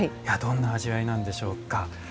どんな味わいなんでしょうか。